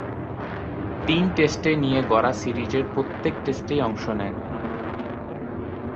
তিন টেস্টে নিয়ে গড়া সিরিজের প্রত্যেক টেস্টেই অংশ নেন।